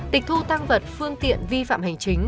tịch thu tăng vật phương tiện vi phạm hành chính